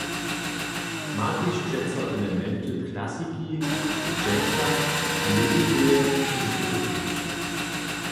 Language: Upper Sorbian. Ma tež přeco elementy klasiki, jazza a ludoweje hudźby.